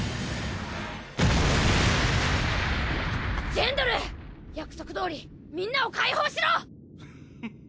ジェンドル約束どおりみんなを解放しろ！